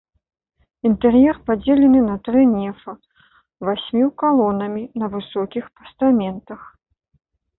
Інтэр'ер падзелены на тры нефа васьмю калонамі на высокіх пастаментах.